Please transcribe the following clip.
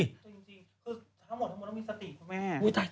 คือทั้งหมดต้องมีสติครับแม่โอ้ยตาย